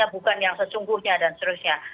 bukan yang sesungguhnya dan seterusnya